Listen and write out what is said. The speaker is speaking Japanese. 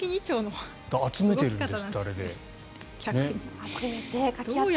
あれで集めているんですって。